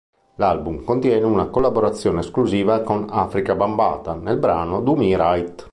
L'album contiene una collaborazione esclusiva con Afrika Bambaataa nel brano "Do Me Right".